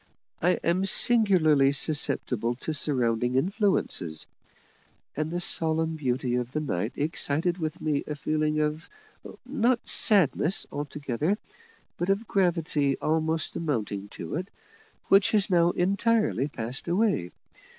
I am singularly susceptible to surrounding influences; and the solemn beauty of the night excited within me a feeling of not sadness altogether, but of gravity almost amounting to it, which has now entirely passed away.